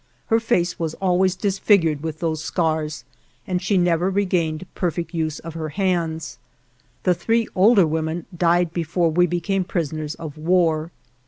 Her face was always disfigured with those scars and she never regained perfect use of her hands. The three older women died be fore we became prisoners of war.